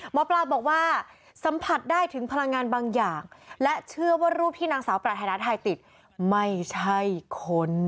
หมอปลาบอกว่าสัมผัสได้ถึงพลังงานบางอย่างและเชื่อว่ารูปที่นางสาวปรารถนาไทยติดไม่ใช่คน